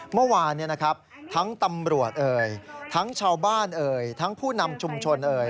เมื่อวานทั้งตำรวจทั้งชาวบ้านทั้งผู้นำชุมชน